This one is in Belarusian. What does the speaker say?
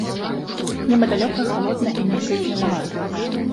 Неба далёкае, халоднае і нейкае зеленаватае.